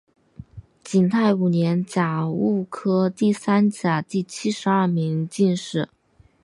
景泰五年甲戌科第三甲第七十二名进士。